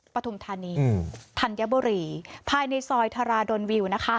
ปฐุมธานีธัญบุรีภายในซอยธาราดลวิวนะคะ